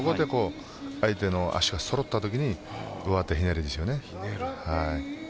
相手の足が揃ったときに上手ひねりですよね。